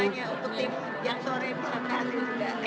terima kasih bu rima atas wawancaranya